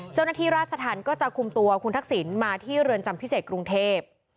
เจ้าหน้าที่ราชธรรมก็จะคุมตัวคุณทักษิณมาที่เรือนจำพิเศษกรุงเทพ